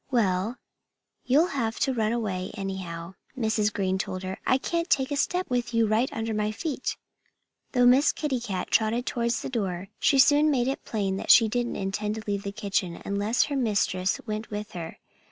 "Well, you'll have to run away, anyhow," Mrs. Green told her. "I can't take a step with you right under my feet." Though Miss Kitty Cat trotted towards the door, she soon made it plain that she didn't intend to leave the kitchen unless her mistress went with her.